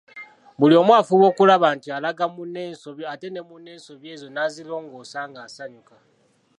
Buli omu afuba okulaba nti alaga munne ensobi ate ne munne ensobi ezo nazirongoosa ng'asanyuka.